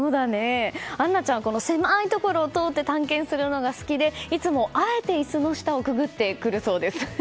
杏南ちゃん、狭いところを通って探検するのが好きでいつもあえて椅子の下をくぐってくるそうです。